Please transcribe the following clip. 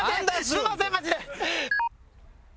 すみませんマジで！